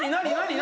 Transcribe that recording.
何？